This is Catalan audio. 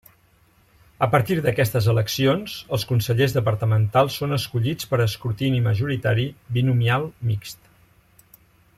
A partir d'aquestes eleccions, els consellers departamentals són escollits per escrutini majoritari binominal mixt.